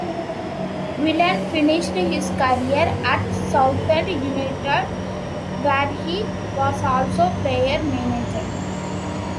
Whelan finished his career at Southend United, where he was also player-manager.